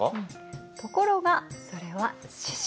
ところがそれは獅子。